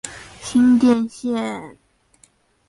新店線